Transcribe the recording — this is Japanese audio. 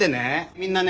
みんなね